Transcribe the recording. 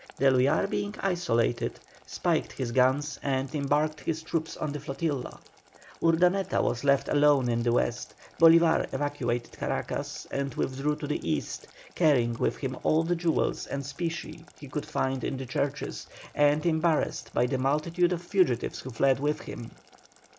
D'Eluyar being isolated, spiked his guns and embarked his troops on the flotilla. Urdaneta was left alone in the West; Bolívar evacuated Caracas and withdrew to the East, carrying with him all the jewels and specie he could find in the churches, and embarrassed by the multitude of fugitives who fled with him.